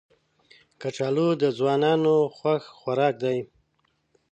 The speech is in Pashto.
کچالو د ځوانانو خوښ خوراک دی